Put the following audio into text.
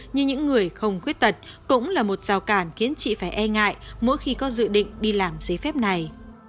như những người không khuyết tật cũng là một rào cản khiến chị phải e ngại mỗi khi có dự định đi làm giấy phép này